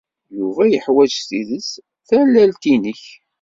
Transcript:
Yuba yeḥwaj s tidet tallalt-nnek.